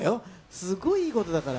すごいいいことだから。